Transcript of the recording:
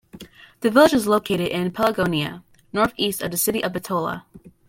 The village is located in Pelagonia, north-east of the city of Bitola.